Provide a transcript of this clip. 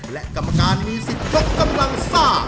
และกรรมการมีสิทธิ์ยกกำลังซ่า